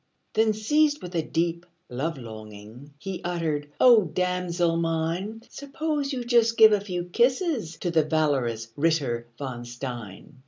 Then, seized with a deep love longing, He uttered, "O damosel mine, Suppose you just give a few kisses To the valorous Ritter von Stein!"